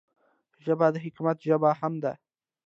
ژبه د حکمت ژبه هم ده